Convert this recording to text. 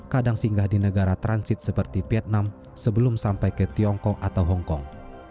kadang singgah di negara transit seperti vietnam sebelum sampai ke tiongkok atau hongkong